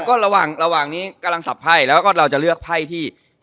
ก็ระหว่างระหว่างนี้กำลังสับไพ่แล้วก็เราจะเลือกไพ่ที่